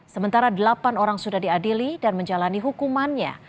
sementara delapan orang sudah diadili dan menjalani hukumannya